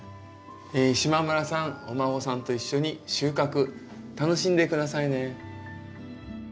島村さんお孫さんと一緒に収穫楽しんで下さいね。